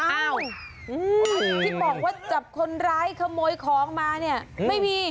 อ้าวที่บอกว่าจับคนร้ายขโมยของมาเนี่ยไม่มี